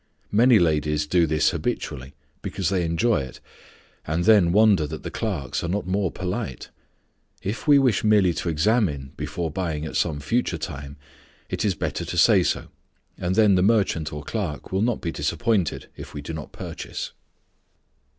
Many ladies do this habitually, because they enjoy it, and then wonder that the clerks are not more polite. If we wish merely to examine before buying at some future time, it is better to say so, and then the merchant or clerk will not be disappointed if we do not purchase.